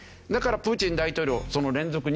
だからプーチン大統領その連続